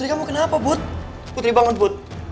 ini anaknya putri gimana